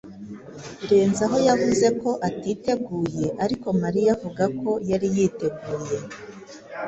Renzaho yavuze ko atiteguye, ariko Mariya avuga ko yari yiteguye.